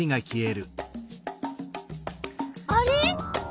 あれ？